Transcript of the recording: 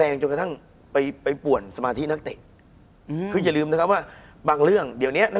คุณผู้ชมบางท่าอาจจะไม่เข้าใจที่พิเตียร์สาร